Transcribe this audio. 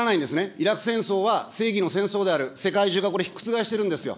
イラク戦争は正義の戦争である、世界中がこれ、覆してるんですよ。